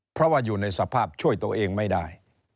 เพราะว่าอยู่ในสภาพช่วยตัวเองไม่ได้